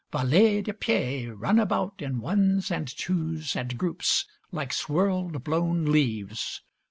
'Valets de pied' run about in ones, and twos, and groups, like swirled blown leaves.